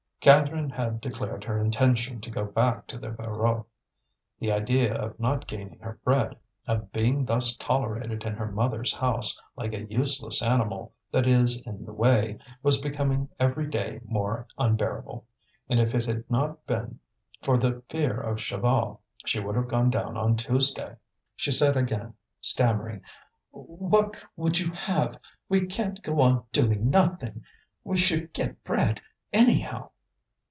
Catherine had declared her intention to go back to the Voreux. The idea of not gaining her bread, of being thus tolerated in her mother's house, like a useless animal that is in the way, was becoming every day more unbearable; and if it had not been for the fear of Chaval she would have gone down on Tuesday. She said again, stammering: "What would you have? We can't go on doing nothing. We should get bread, anyhow."